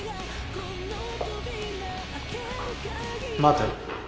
待て。